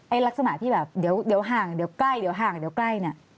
ลักษณะที่แบบเดี๋ยวห่างเดี๋ยวใกล้เดี๋ยวห่างเดี๋ยวใกล้เนี่ย